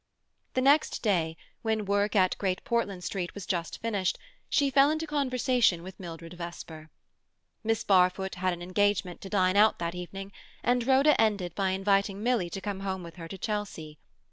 The next day, when work at Great Portland Street was just finished, she fell into conversation with Mildred Vesper. Miss Barfoot had an engagement to dine out that evening, and Rhoda ended by inviting Milly to come home with her to Chelsea.